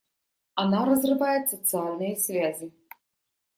Она разрывает социальные связи.